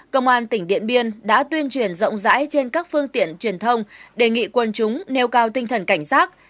công an tỉnh điện biên đã tuyên truyền rộng rãi trên các phương tiện truyền thông đề nghị quân chúng nêu cao tinh thần cảnh giác